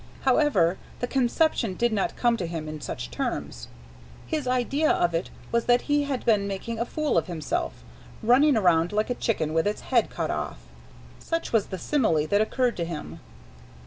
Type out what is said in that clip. However, the conception did not come to him in such terms. His idea of it was that he had been making a fool of himself, running around like a chicken with its head cut off—such was the simile that occurred to him.